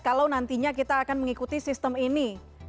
kalau nantinya kita akan mengikuti sistem ini